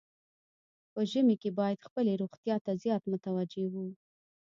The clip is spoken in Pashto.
په ژمي کې باید خپلې روغتیا ته زیات متوجه وو.